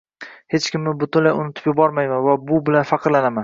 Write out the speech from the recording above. hech kimni butunlay unutib yubormayman va bu bilan faxrlanaman.